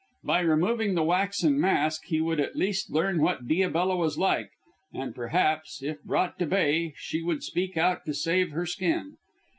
By removing the waxen mask he would at least learn what Diabella was like, and perhaps, if brought to bay, she would speak out to save her skin.